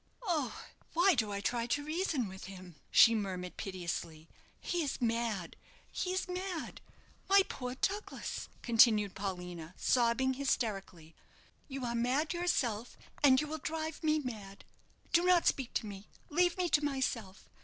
"Oh, why do I try to reason with him?" she murmured, piteously; "he is mad he is mad! My poor Douglas!" continued Paulina, sobbing hysterically, "you are mad yourself, and you will drive me mad. Do not speak to me. Leave me to myself.